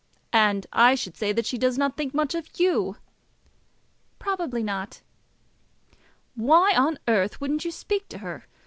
"And I should say that she does not think much of you." "Probably not." "Why on earth wouldn't you speak to her?